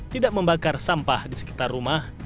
tidak membakar sampah di sekitar rumah